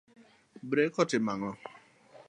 Brek otimo ango'?